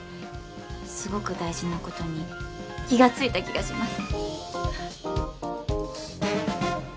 すごく大事なことに気がついた気がします